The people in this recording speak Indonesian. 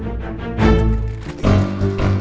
baik indri mau makan